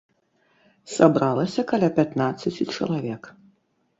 Сабралася каля пятнаццаці чалавек.